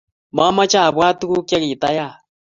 mamache abwat tukuk che kitayaak